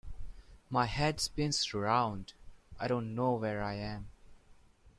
My head spins round: I don't know where I am.